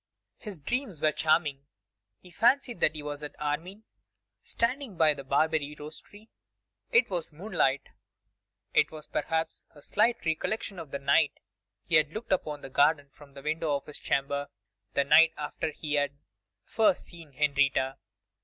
His dreams were charming: he fancied that he was at Armine, standing by the Barbary rose tree. It was moonlight; it was, perhaps, a slight recollection of the night he had looked upon the garden from the window of his chamber, the night after he had first seen Henrietta.